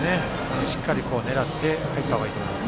しっかり狙って入った方がいいと思います。